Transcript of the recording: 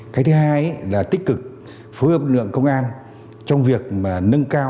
cái thứ hai là tích cực phối hợp lực lượng công an trong việc nâng cao